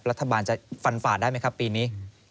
รัฐบาลจะฟันฝ่าได้ไหมครับปีนี้